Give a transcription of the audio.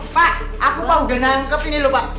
pak aku mah udah nangkep ini lho pak